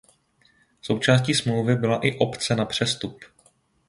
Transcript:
Součástí smlouvy byla i opce na přestup.